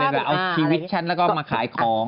แบบเอาชีวิตฉันแล้วก็มาขายของ